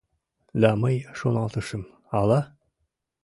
Да мый шоналтышым: ала...